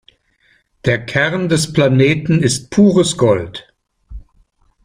Der Kern des Planeten ist pures Gold.